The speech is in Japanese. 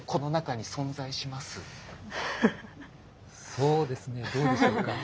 そうですねどうでしょうか？